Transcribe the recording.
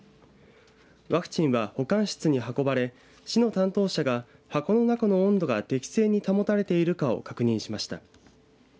ワクチンは保管室に運ばれ市の担当者が、箱の中の温度が適正に保たれているかを確認しました。